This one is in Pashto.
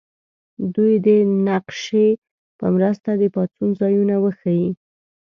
دوی دې د نقشې په مرسته د پاڅون ځایونه وښیي.